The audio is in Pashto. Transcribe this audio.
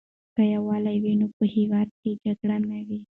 که یووالی وي نو په هېواد کې جګړه نه وي.